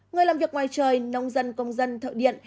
người làm việc ngoài trời nông dân công dân thợ điện